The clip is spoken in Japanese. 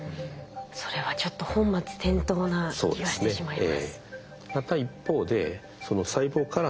それはちょっと本末転倒な気がしてしまいます。